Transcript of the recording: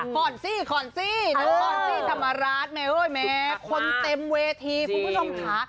ขอนซี่ขอนซี่ขอนซี่ธรรมราชแม่คนเต็มเวทีคุณผู้ชมค่ะ